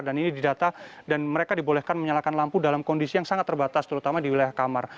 dan ini didata dan mereka dibolehkan menyalakan lampu dalam kondisi yang sangat terbatas terutama di wilayah kamar